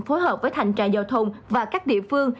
phối hợp với thành trà giao thông và các địa phương